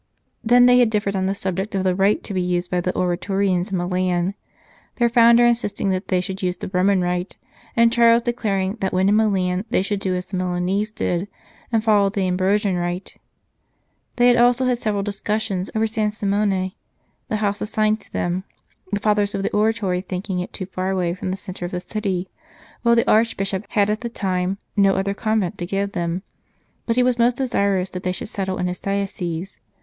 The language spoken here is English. Then they had differed on the subject of the rite to be used by the Oratorians in Milan, their founder insisting that they should use the Roman Rite, and Charles declaring that when in Milan they should do as the Milanese did, and follow the Ambrosian Rite. They had also had several discussions over San Simone, the house assigned to them, the Fathers of the Oratory thinking it too far away from the centre of the city ; while the Archbishop had at the time no other convent to give them, but he was most desirous that they should settle in his diocese.